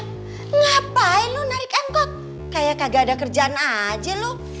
kenapa lu narik angkot kayak kagak ada kerjaan aja lu